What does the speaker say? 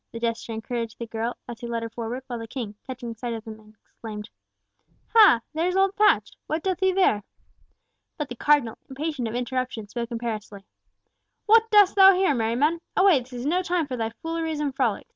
the jester encouraged the girl, as he led her forward, while the king, catching sight of them, exclaimed, "Ha! there's old Patch. What doth he there?" But the Cardinal, impatient of interruption, spoke imperiously, "What dost thou here, Merriman? Away, this is no time for thy fooleries and frolics."